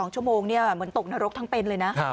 ๒ชั่วโมงเหมือนตกนรกทั้งเป็นเลยนะ